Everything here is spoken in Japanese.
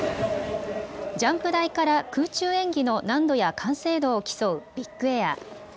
ジャンプ台から空中演技の難度や完成度を競うビッグエア。